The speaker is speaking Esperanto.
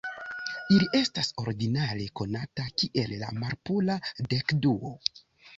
Ili estas ordinare konata kiel la malpura dekduo,